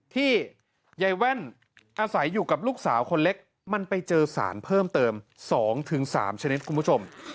ที่ยายแว่นอาศัยอยู่กับลูกสาวคนเล็กมันไปเจอสารเพิ่มเติม๒๓ชนิดคุณผู้ชม